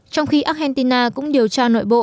trong khi argentina cũng điều tra nội bộ